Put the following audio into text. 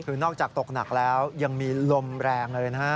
คือนอกจากตกหนักแล้วยังมีลมแรงเลยนะฮะ